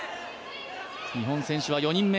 日本選手は４人目。